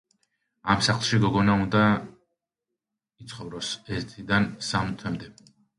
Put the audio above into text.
ამ სახლში, გოგონა უნდა იცხოვროს ერთიდან სამ თვემდე.